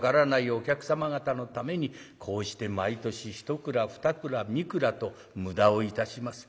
お客様方のためにこうして毎年一蔵二蔵三蔵と無駄をいたします。